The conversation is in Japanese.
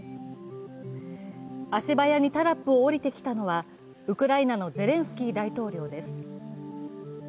足早にタラップを降りてきたのはウクライナのゼレンスキー大統領です。